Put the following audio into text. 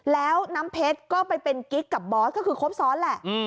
แล้วน้ำเพชรก็ไปเป็นกิ๊กกับบอสก็คือครบซ้อนแหละ